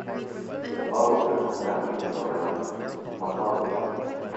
His followers rallied around Mohalhel.